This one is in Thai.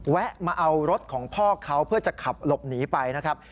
แวะมาเอารถของพ่อเขาเพื่อจะขับหลบหนีไปนะครับ